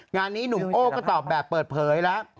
งานนี้หนุ่มโอ้ก็ตอบแบบเปิดเผยแล้ว